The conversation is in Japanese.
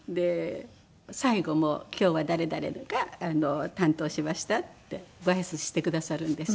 最後も今日は誰々が担当しましたってごあいさつしてくださるんです。